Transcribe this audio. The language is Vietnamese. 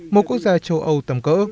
một quốc gia châu âu tầm cỡ